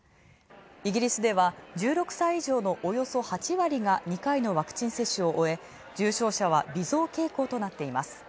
イギリスでは１６歳以上のおよそ８割が２回のワクチンを終え、重症者は微増傾向となっています。